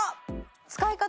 使い方